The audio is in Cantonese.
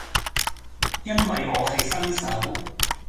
因為我係新手